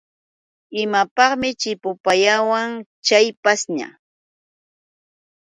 ¿Imapaqmi chipupayawan chay pashña.?